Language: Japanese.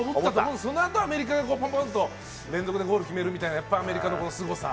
その後、アメリカがポンポンとゴールを決めるというアメリカのすごさ。